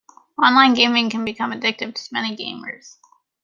Online gaming can become addictive to many gamers.